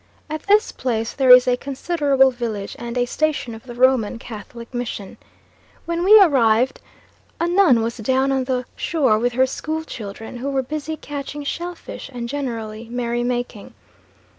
At this place there is a considerable village and a station of the Roman Catholic Mission. When we arrived a nun was down on the shore with her school children, who were busy catching shell fish and generally merry making.